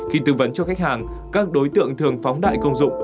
khi tư vấn cho khách hàng các đối tượng thường phóng đại công dụng